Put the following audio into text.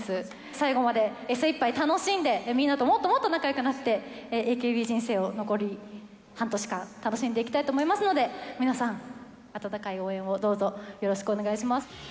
最後まで精いっぱい楽しんで、みんなともっともっと仲よくなって、ＡＫＢ人生を残り半年間、楽しんでいきたいと思いますので、皆さん、温かい応援をどうぞよろしくお願いします。